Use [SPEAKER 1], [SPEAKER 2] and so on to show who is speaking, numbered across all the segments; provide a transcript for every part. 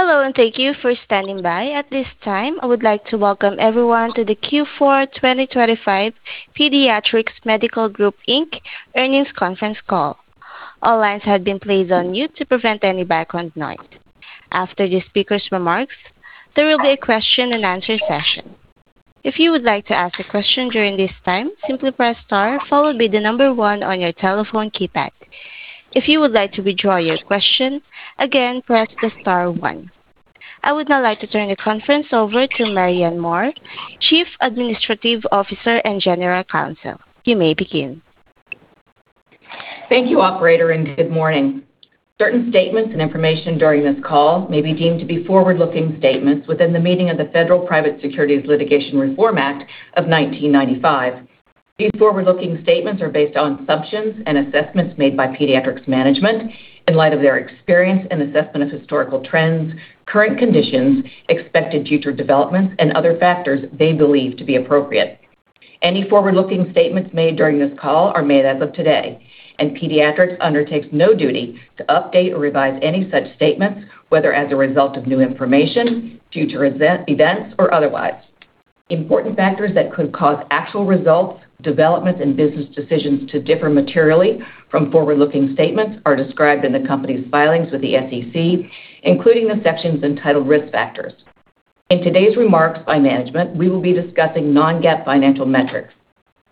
[SPEAKER 1] Hello, and thank you for standing by. At this time, I would like to welcome everyone to the Q4 2025 Pediatrix Medical Group, Inc. earnings conference call. All lines have been placed on mute to prevent any background noise. After the speaker's remarks, there will be a question-and-answer session. If you would like to ask a question during this time, simply press star, followed by the number one on your telephone keypad. If you would like to withdraw your question, again, press the star one. I would now like to turn the conference over to Mary Ann Moore, Chief Administrative Officer and General Counsel. You may begin.
[SPEAKER 2] Thank you, operator, and good morning. Certain statements and information during this call may be deemed to be forward-looking statements within the meaning of the Private Securities Litigation Reform Act of 1995. These forward-looking statements are based on assumptions and assessments made by Pediatrix management in light of their experience and assessment of historical trends, current conditions, expected future developments, and other factors they believe to be appropriate. Any forward-looking statements made during this call are made as of today, and Pediatrix undertakes no duty to update or revise any such statements, whether as a result of new information, future event, events, or otherwise. Important factors that could cause actual results, developments, and business decisions to differ materially from forward-looking statements are described in the company's filings with the SEC, including the sections entitled Risk Factors. In today's remarks by management, we will be discussing non-GAAP financial metrics.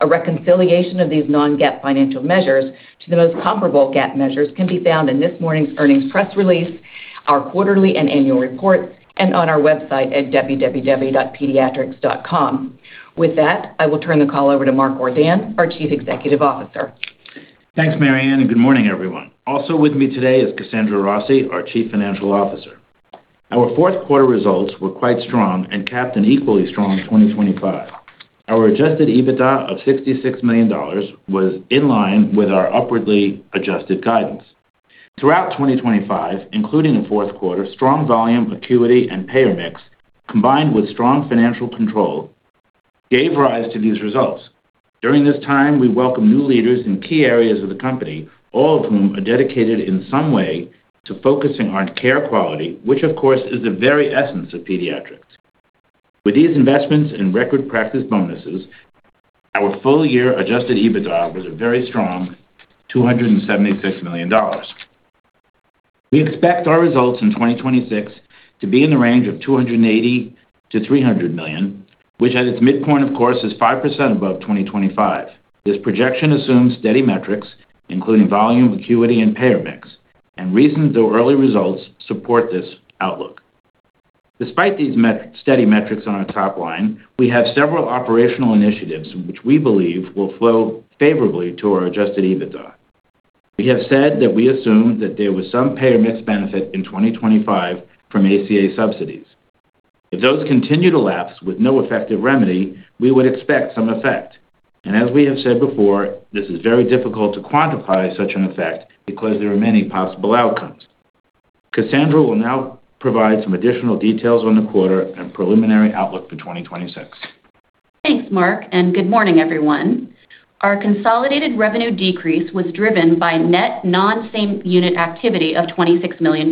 [SPEAKER 2] A reconciliation of these non-GAAP financial measures to the most comparable GAAP measures can be found in this morning's earnings press release, our quarterly and annual report, and on our website at www.pediatrix.com. With that, I will turn the call over to Mark Ordan, our Chief Executive Officer.
[SPEAKER 3] Thanks, Mary Ann, and good morning, everyone. Also with me today is Kasandra Rossi, our Chief Financial Officer. Our Q4 results were quite strong and capped an equally strong 2025. Our adjusted EBITDA of $66 million was in line with our upwardly adjusted guidance. Throughout 2025, including the Q4, strong volume, acuity, and payer mix, combined with strong financial control, gave rise to these results. During this time, we welcomed new leaders in key areas of the company, all of whom are dedicated in some way to focusing on care quality, which of course, is the very essence of Pediatrix. With these investments in record practice bonuses, our full-year adjusted EBITDA was a very strong $276 million. We expect our results in 2026 to be in the range of $280 million-$300 million, which at its midpoint, of course, is 5% above 2025. This projection assumes steady metrics, including volume, acuity, and payer mix, and recent or early results support this outlook. Despite these steady metrics on our top line, we have several operational initiatives which we believe will flow favorably to our adjusted EBITDA. We have said that we assume that there was some payer mix benefit in 2025 from ACA subsidies. If those continue to lapse with no effective remedy, we would expect some effect. And as we have said before, this is very difficult to quantify such an effect because there are many possible outcomes. Kasandra will now provide some additional details on the quarter and preliminary outlook for 2026.
[SPEAKER 4] Thanks, Mark, and good morning, everyone. Our consolidated revenue decrease was driven by net non-same-unit activity of $26 million,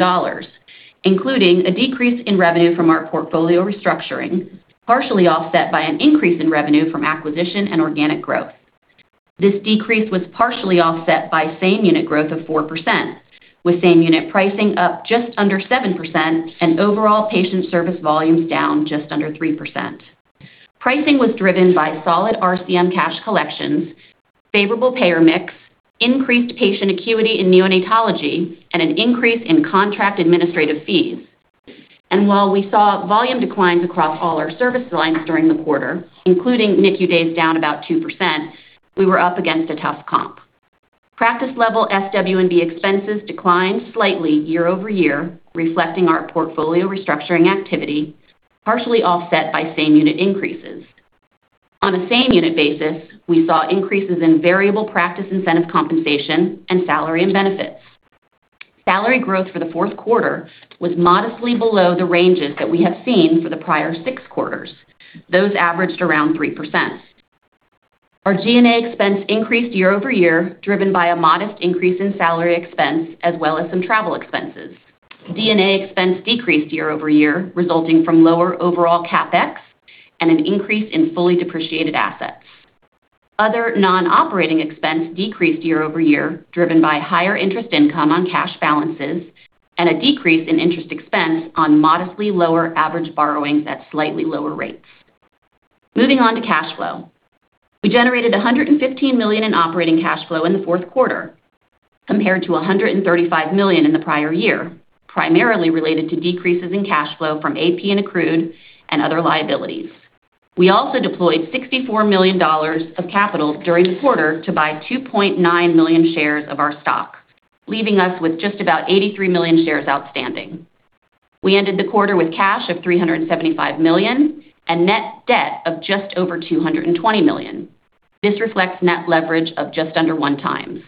[SPEAKER 4] including a decrease in revenue from our portfolio restructuring, partially offset by an increase in revenue from acquisition and organic growth. This decrease was partially offset by same-unit growth of 4%, with same-unit pricing up just under 7% and overall patient service volumes down just under 3%. Pricing was driven by solid RCM cash collections, favorable payer mix, increased patient acuity in neonatology, and an increase in contract administrative fees. And while we saw volume declines across all our service lines during the quarter, including NICU days down about 2%, we were up against a tough comp. Practice-level SW&B expenses declined slightly year-over-year, reflecting our portfolio restructuring activity, partially offset by same-unit increases. On a same-unit basis, we saw increases in variable practice incentive compensation and salary and benefits. Salary growth for the Q4 was modestly below the ranges that we have seen for the prior six quarters. Those averaged around 3%. Our G&A expense increased year-over-year, driven by a modest increase in salary expense as well as some travel expenses. D&A expense decreased year-over-year, resulting from lower overall CapEx and an increase in fully depreciated assets. Other non-operating expense decreased year-over-year, driven by higher interest income on cash balances and a decrease in interest expense on modestly lower average borrowings at slightly lower rates. Moving on to cash flow. We generated $115 million in operating cash flow in the Q4, compared to $135 million in the prior year, primarily related to decreases in cash flow from AP and accrued and other liabilities. We also deployed $64 million of capital during the quarter to buy 2.9 million shares of our stock, leaving us with just about 83 million shares outstanding. We ended the quarter with cash of $375 million and net debt of just over $220 million. This reflects net leverage of just under 1x.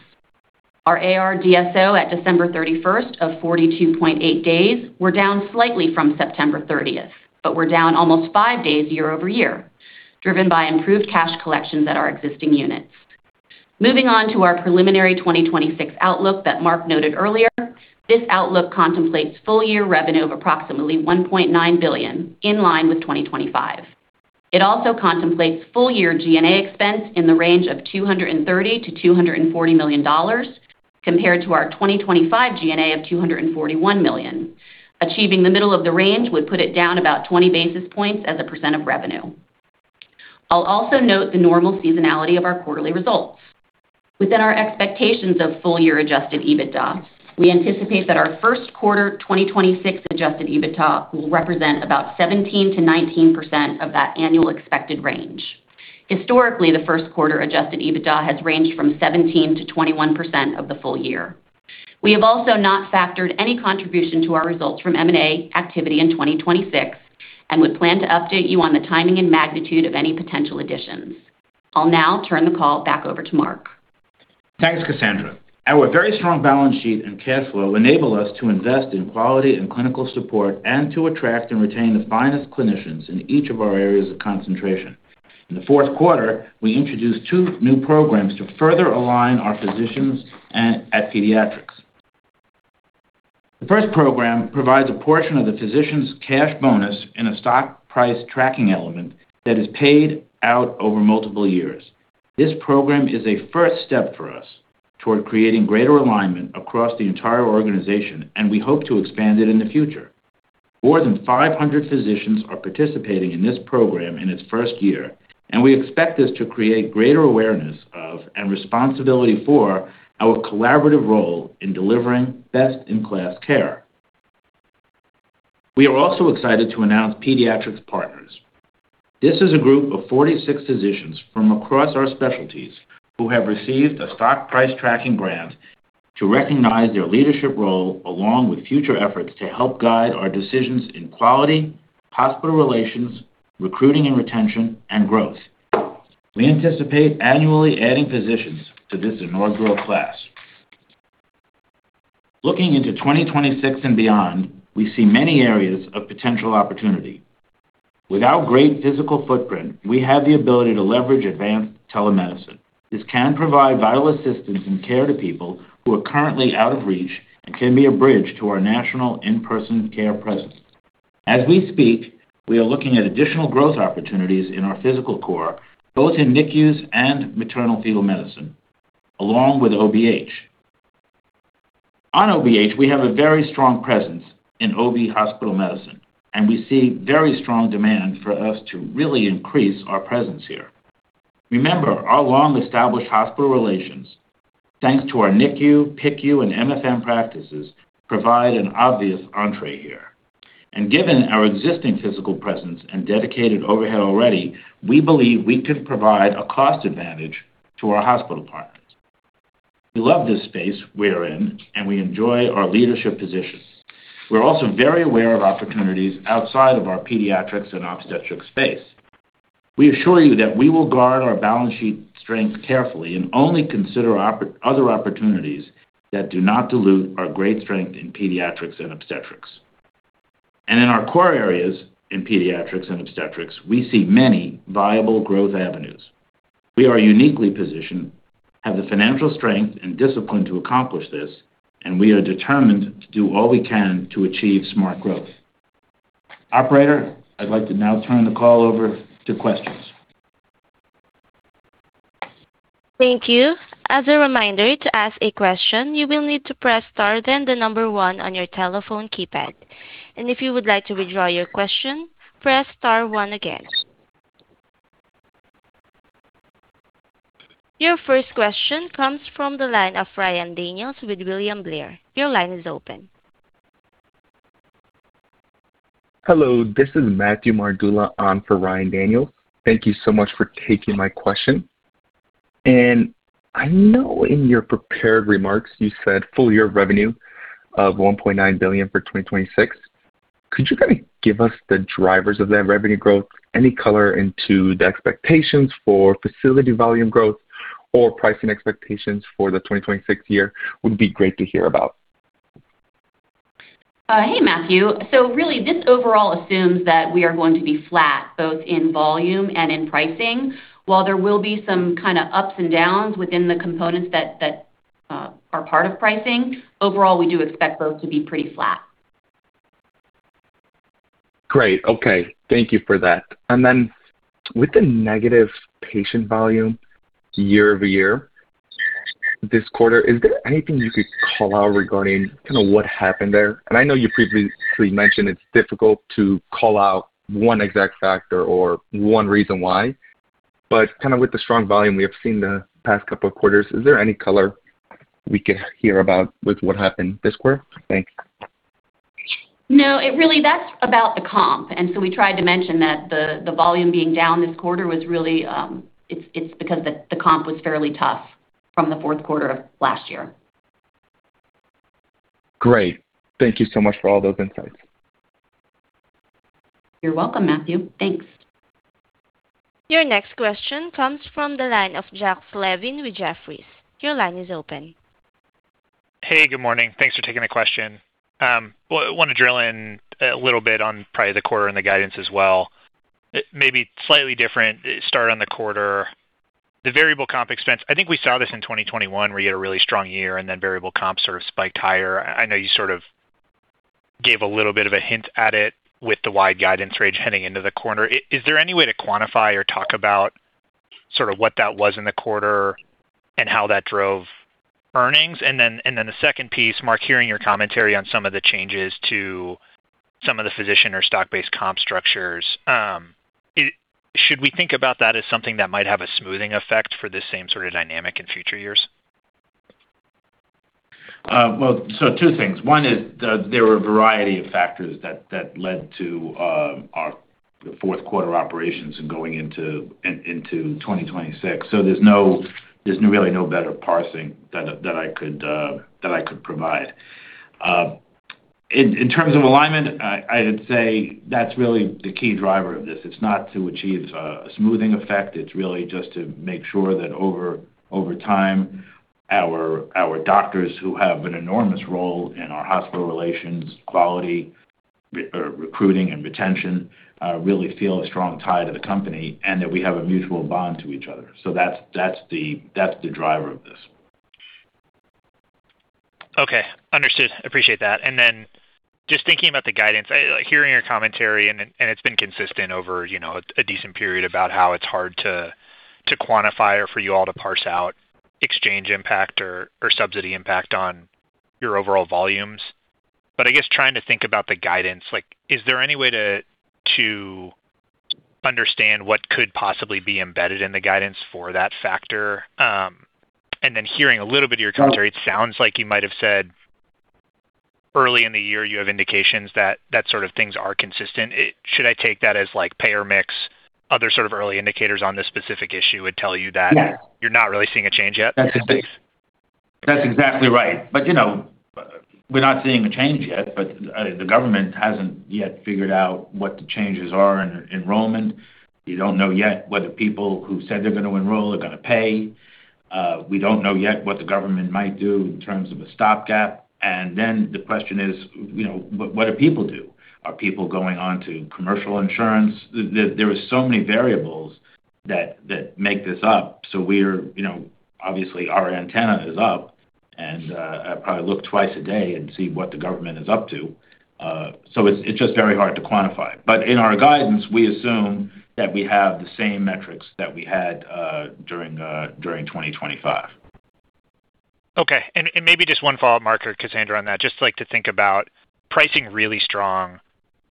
[SPEAKER 4] Our AR DSO at December 31 of 42.8 days were down slightly from September 30, but were down almost five days year-over-year, driven by improved cash collections at our existing units.... Moving on to our preliminary 2026 outlook that Mark noted earlier. This outlook contemplates full-year revenue of approximately $1.9 billion, in line with 2025. It also contemplates full-year G&A expense in the range of $230 million-$240 million, compared to our 2025 G&A of $241 million. Achieving the middle of the range would put it down about 20 basis points as a percent of revenue. I'll also note the normal seasonality of our quarterly results. Within our expectations of full-year adjusted EBITDA, we anticipate that our Q1 2026 adjusted EBITDA will represent about 17%-19% of that annual expected range. Historically, the Q1 adjusted EBITDA has ranged from 17%-21% of the full year. We have also not factored any contribution to our results from M&A activity in 2026, and we plan to update you on the timing and magnitude of any potential additions. I'll now turn the call back over to Mark.
[SPEAKER 3] Thanks, Kasandra. Our very strong balance sheet and cash flow enable us to invest in quality and clinical support and to attract and retain the finest clinicians in each of our areas of concentration. In the Q4, we introduced two new programs to further align our physicians at Pediatrix. The first program provides a portion of the physician's cash bonus and a stock price tracking element that is paid out over multiple years. This program is a first step for us toward creating greater alignment across the entire organization, and we hope to expand it in the future. More than 500 physicians are participating in this program in its first year, and we expect this to create greater awareness of, and responsibility for, our collaborative role in delivering best-in-class care. We are also excited to announce Pediatrix Partners. This is a group of 46 physicians from across our specialties who have received a stock price tracking grant to recognize their leadership role, along with future efforts to help guide our decisions in quality, hospital relations, recruiting and retention, and growth. We anticipate annually adding physicians to this inaugural class. Looking into 2026 and beyond, we see many areas of potential opportunity. With our great physical footprint, we have the ability to leverage advanced telemedicine. This can provide vital assistance and care to people who are currently out of reach and can be a bridge to our national in-person care presence. As we speak, we are looking at additional growth opportunities in our physical core, both in NICUs and maternal-fetal medicine, along with OBH. On OBH, we have a very strong presence in OB hospital medicine, and we see very strong demand for us to really increase our presence here. Remember, our long-established hospital relations, thanks to our NICU, PICU, and MFM practices, provide an obvious entree here. Given our existing physical presence and dedicated overhead already, we believe we can provide a cost advantage to our hospital partners. We love this space we are in, and we enjoy our leadership position. We're also very aware of opportunities outside of our pediatrics and obstetrics space. We assure you that we will guard our balance sheet strength carefully and only consider other opportunities that do not dilute our great strength in pediatrics and obstetrics. In our core areas in pediatrics and obstetrics, we see many viable growth avenues. We are uniquely positioned, have the financial strength and discipline to accomplish this, and we are determined to do all we can to achieve smart growth. Operator, I'd like to now turn the call over to questions.
[SPEAKER 1] Thank you. As a reminder, to ask a question, you will need to press star, then the number one on your telephone keypad. If you would like to withdraw your question, press star one again. Your first question comes from the line of Ryan Daniels with William Blair. Your line is open.
[SPEAKER 5] Hello, this is Matthew Mardula on for Ryan Daniels. Thank you so much for taking my question. I know in your prepared remarks, you said full year revenue of $1.9 billion for 2026. Could you kind of give us the drivers of that revenue growth? Any color into the expectations for facility volume growth or pricing expectations for the 2026 year would be great to hear about.
[SPEAKER 4] Hey, Matthew. So really, this overall assumes that we are going to be flat, both in volume and in pricing. While there will be some kind of ups and downs within the components that are part of pricing, overall, we do expect those to be pretty flat.
[SPEAKER 5] Great. Okay. Thank you for that. Then with the negative patient volume year-over-year this quarter, is there anything you could call out regarding kind of what happened there? I know you previously mentioned it's difficult to call out one exact factor or one reason why, but kind of with the strong volume we have seen the past couple of quarters, is there any color we could hear about with what happened this quarter? Thanks.
[SPEAKER 4] No, it really-- that's about the comp, and so we tried to mention that the volume being down this quarter was really, it's because the comp was fairly tough from the Q4 of last year.
[SPEAKER 5] Great. Thank you so much for all those insights.
[SPEAKER 4] You're welcome, Matthew. Thanks.
[SPEAKER 1] Your next question comes from the line of Jack Slevin with Jefferies. Your line is open....
[SPEAKER 6] Hey, good morning. Thanks for taking the question. Well, I want to drill in a little bit on probably the quarter and the guidance as well. Maybe slightly different start on the quarter. The variable comp expense, I think we saw this in 2021, where you had a really strong year and then variable comp sort of spiked higher. I know you sort of gave a little bit of a hint at it with the wide guidance range heading into the quarter. Is there any way to quantify or talk about sort of what that was in the quarter and how that drove earnings? And then the second piece, Mark, hearing your commentary on some of the changes to some of the physician or stock-based comp structures, should we think about that as something that might have a smoothing effect for this same sort of dynamic in future years?
[SPEAKER 3] Well, so two things. One is the, there were a variety of factors that, that led to, our Q4 operations and going into, in, into 2026. So there's no, there's really no better parsing that I, that I could, that I could provide. In, in terms of alignment, I, I would say that's really the key driver of this. It's not to achieve a smoothing effect. It's really just to make sure that over, over time, our, our doctors, who have an enormous role in our hospital relations, quality, recruiting and retention, really feel a strong tie to the company and that we have a mutual bond to each other. So that's, that's the, that's the driver of this.
[SPEAKER 6] Okay, understood. Appreciate that. And then just thinking about the guidance, I hearing your commentary, and it's been consistent over, you know, a decent period about how it's hard to quantify or for you all to parse out exchange impact or subsidy impact on your overall volumes. But I guess trying to think about the guidance, like, is there any way to understand what could possibly be embedded in the guidance for that factor? And then hearing a little bit of your commentary, it sounds like you might have said early in the year, you have indications that that sort of things are consistent. Should I take that as, like, payer mix, other sort of early indicators on this specific issue would tell you that-
[SPEAKER 3] No.
[SPEAKER 6] You're not really seeing a change yet?
[SPEAKER 3] That's exactly, that's exactly right. But, you know, we're not seeing a change yet, but the government hasn't yet figured out what the changes are in enrollment. We don't know yet whether people who said they're going to enroll are going to pay. We don't know yet what the government might do in terms of a stopgap. And then the question is, you know, what do people do? Are people going on to commercial insurance? There are so many variables that make this up. So we're, you know, obviously, our antenna is up, and I probably look twice a day and see what the government is up to. So it's just very hard to quantify. But in our guidance, we assume that we have the same metrics that we had during 2025.
[SPEAKER 6] Okay, and maybe just one follow-up, Mark or Kasandra, on that. Just like to think about pricing really strong.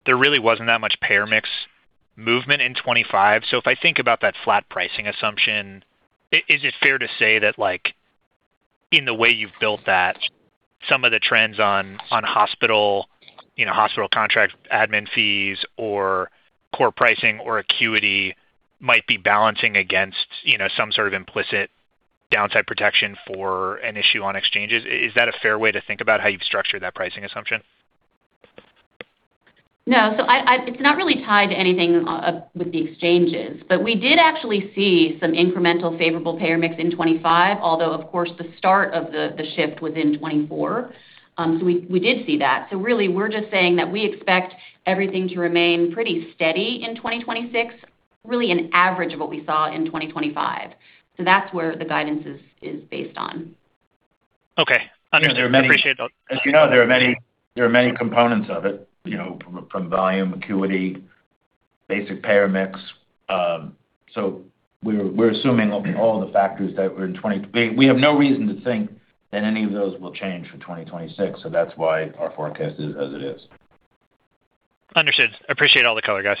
[SPEAKER 6] There really wasn't that much payer mix movement in 2025. So if I think about that flat pricing assumption, is it fair to say that, like, in the way you've built that, some of the trends on hospital, you know, hospital contract admin fees or core pricing or acuity might be balancing against, you know, some sort of implicit downside protection for an issue on exchanges? Is that a fair way to think about how you've structured that pricing assumption?
[SPEAKER 4] No. So I—it's not really tied to anything with the exchanges, but we did actually see some incremental favorable payer mix in 2025, although, of course, the start of the shift was in 2024. So we did see that. So really, we're just saying that we expect everything to remain pretty steady in 2026, really an average of what we saw in 2025. So that's where the guidance is based on.
[SPEAKER 6] Okay. Understood.
[SPEAKER 3] There are many-
[SPEAKER 6] Appreciate it.
[SPEAKER 3] As you know, there are many components of it, you know, from volume, acuity, basic payer mix. So we're assuming all the factors that were in 2025. We have no reason to think that any of those will change for 2026, so that's why our forecast is as it is.
[SPEAKER 6] Understood. Appreciate all the color, guys.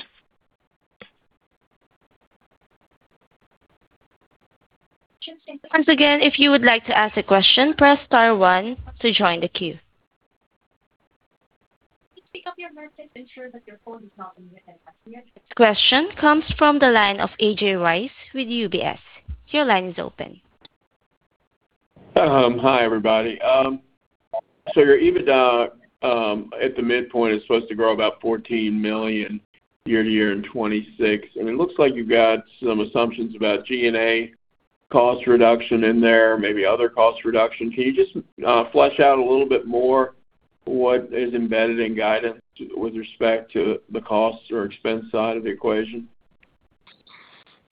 [SPEAKER 1] Once again, if you would like to ask a question, press star one to join the queue. Pick up your handset, ensure that your phone is not in mute and press mute. Question comes from the line of A.J. Rice with UBS. Your line is open.
[SPEAKER 7] Hi, everybody. So your EBITDA, at the midpoint, is supposed to grow about $14 million year-over-year in 2026, and it looks like you've got some assumptions about G&A cost reduction in there, maybe other cost reduction. Can you just flesh out a little bit more what is embedded in guidance with respect to the cost or expense side of the equation?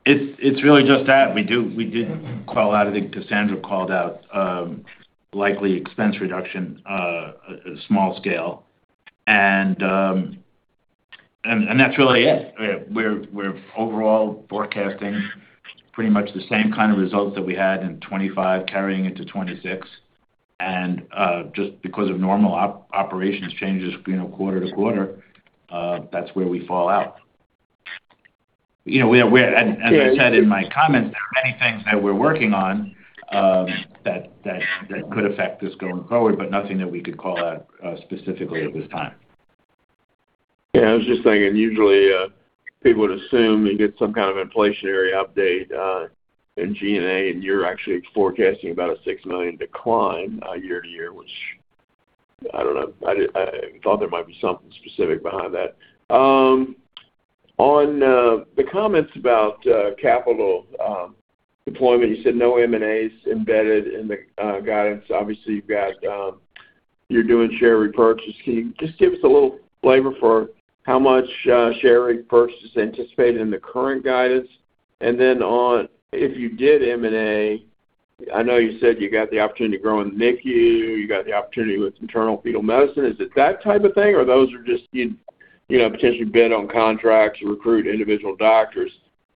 [SPEAKER 3] It's really just that. We do, we did call out, I think Kasandra called out, likely expense reduction, small scale, and that's really it. We're overall forecasting pretty much the same kind of results that we had in 2025 carrying into 2026. And just because of normal operations changes, you know, quarter to quarter, that's where we fall out. You know, we're, and as I said in my comments, there are many things that we're working on, that could affect this going forward, but nothing that we could call out, specifically at this time.
[SPEAKER 7] Yeah, I was just thinking, usually people would assume you get some kind of inflationary update in G&A, and you're actually forecasting about a $6 million decline year-over-year, which I don't know. I thought there might be something specific behind that. On the comments about capital deployment, you said no M&As embedded in the guidance. Obviously, you've got, you're doing share repurchase. Can you just give us a little flavor for how much share repurchase is anticipated in the current guidance? And then on, if you did M&A, I know you said you got the opportunity to grow in NICU, you got the opportunity with maternal-fetal medicine. Is it that type of thing, or those are just, you know, potentially bid on contracts to recruit individual doctors?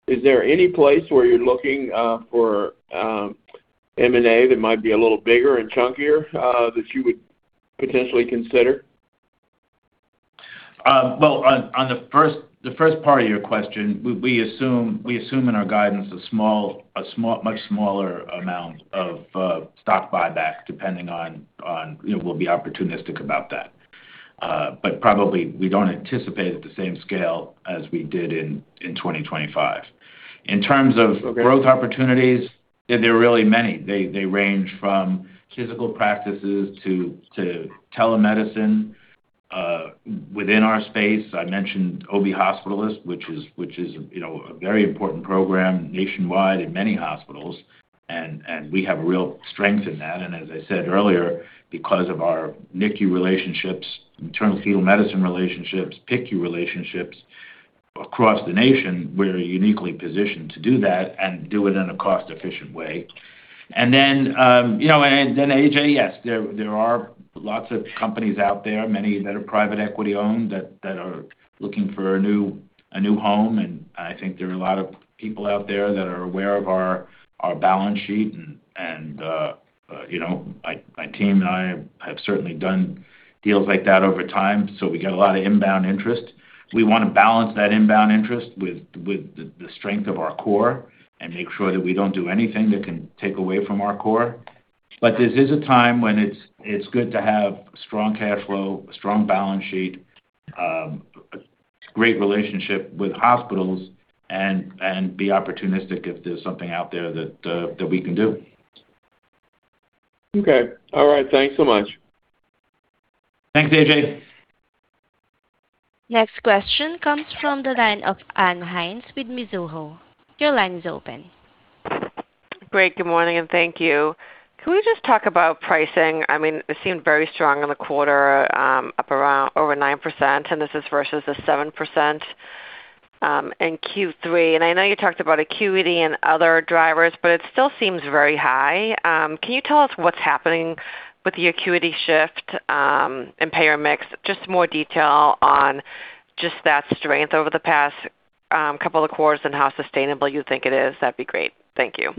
[SPEAKER 7] Is there any place where you're looking for M&A that might be a little bigger and chunkier that you would potentially consider?
[SPEAKER 3] Well, on the first part of your question, we assume in our guidance a small, much smaller amount of stock buyback, depending on, you know, we'll be opportunistic about that. But probably we don't anticipate at the same scale as we did in 2025. In terms of-
[SPEAKER 7] Okay.
[SPEAKER 3] Growth opportunities, there are really many. They range from physical practices to telemedicine. Within our space, I mentioned OB hospitalist, which is, you know, a very important program nationwide in many hospitals, and we have a real strength in that. And as I said earlier, because of our NICU relationships, maternal-fetal medicine relationships, PICU relationships across the nation, we're uniquely positioned to do that and do it in a cost-efficient way. And then, you know, and then, AJ, yes, there are lots of companies out there, many that are private equity-owned, that are looking for a new home. And I think there are a lot of people out there that are aware of our balance sheet. You know, my team and I have certainly done deals like that over time, so we get a lot of inbound interest. We wanna balance that inbound interest with the strength of our core and make sure that we don't do anything that can take away from our core. But this is a time when it's good to have strong cash flow, a strong balance sheet, a great relationship with hospitals and be opportunistic if there's something out there that we can do.
[SPEAKER 7] Okay, all right. Thanks so much.
[SPEAKER 3] Thanks, AJ.
[SPEAKER 1] Next question comes from the line of Ann Hynes with Mizuho. Your line is open.
[SPEAKER 8] Great, good morning, and thank you. Can we just talk about pricing? I mean, it seemed very strong in the quarter, up around over 9%, and this is versus the 7% in Q3. I know you talked about acuity and other drivers, but it still seems very high. Can you tell us what's happening with the acuity shift, and payer mix? Just more detail on just that strength over the past couple of quarters, and how sustainable you think it is? That'd be great. Thank you.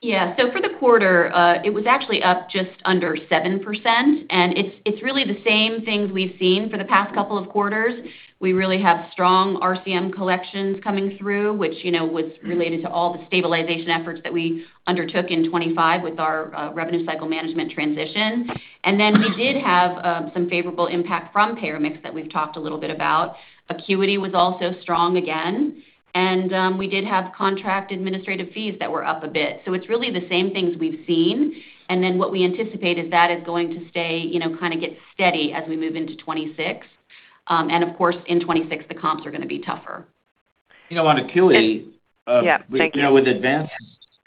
[SPEAKER 4] Yeah. So for the quarter, it was actually up just under 7%, and it's, it's really the same things we've seen for the past couple of quarters. We really have strong RCM collections coming through, which, you know, was related to all the stabilization efforts that we undertook in 2025 with our, revenue cycle management transition. And then we did have, some favorable impact from payer mix that we've talked a little bit about. Acuity was also strong again, and, we did have contract administrative fees that were up a bit. So it's really the same things we've seen. And then what we anticipate is that is going to stay, you know, kinda get steady as we move into 2026. And of course, in 2026, the comps are gonna be tougher.
[SPEAKER 3] You know, on acuity,
[SPEAKER 8] Yeah. Thank you.
[SPEAKER 3] You know, with advanced,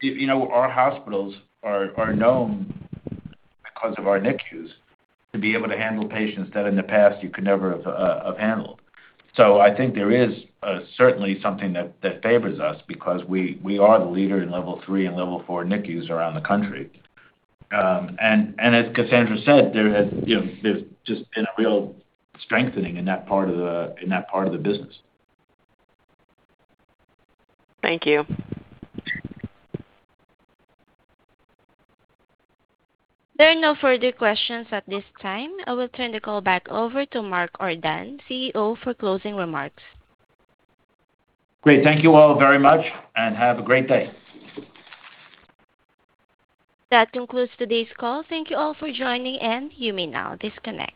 [SPEAKER 3] you know, our hospitals are known because of our NICUs to be able to handle patients that in the past you could never have handled. So I think there is certainly something that favors us because we are the leader in level three and level four NICUs around the country. And as Cassandra said, there has, you know, there's just been a real strengthening in that part of the business.
[SPEAKER 8] Thank you.
[SPEAKER 1] There are no further questions at this time. I will turn the call back over to Mark Ordan, CEO, for closing remarks.
[SPEAKER 3] Great. Thank you all very much, and have a great day.
[SPEAKER 1] That concludes today's call. Thank you all for joining, and you may now disconnect.